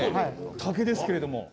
竹ですけれども。